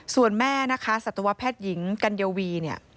ส่วนแม่นะคะศตวแพทย์หญิงกันเยาวี